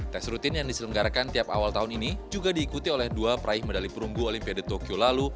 tes rutin yang diselenggarakan tiap awal tahun ini juga diikuti oleh dua praih medali perunggu olimpiade tokyo lalu